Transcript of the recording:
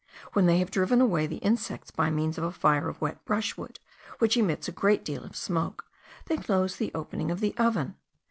When they have driven away the insects by means of a fire of wet brushwood, which emits a great deal of smoke, they close the opening of the oven.